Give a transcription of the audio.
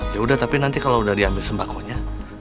yaudah tapi nanti kalau udah diambil sembakonya